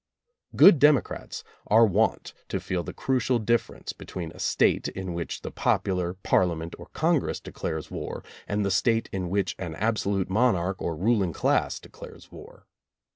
Good democrats are wont to feel the crucial difference between a State in which the popular Parliament or Congress declares war, and the State in which an absolute monarch or ruling class de clares war.